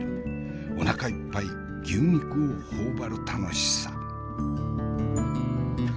おなかいっぱい牛肉を頬張る楽しさ。